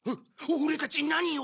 オレたち何を？